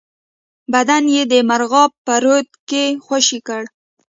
بدن یې د مرغاب په رود کې خوشی کړ.